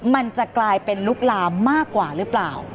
มันจะกลายเป็นลุกลามมากกว่าหรือเปล่า